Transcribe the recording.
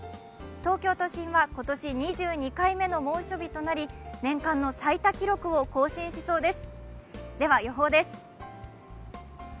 東京都心は今年２２回目の猛暑日となり年間の最多記録を更新しそうです。